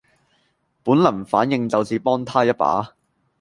本能反應就是幫她一把